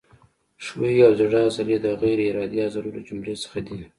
ښویې او د زړه عضلې د غیر ارادي عضلو له جملو څخه دي.